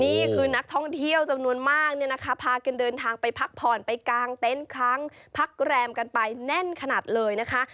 นี่คือนักท่องเที่ยวจำนวนมากเนี่ยนะคะพากันเดินทางไปพักผ่อนไปกางเต็นต์ครั้งพักแรมกันไปแน่นขนาดเลยนะคะ